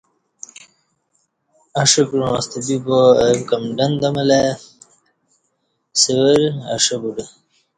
اݜہ کعاں ستہ بیبا او کمڈن دمہ لہ ائی سورہ اݜہ بوڈہ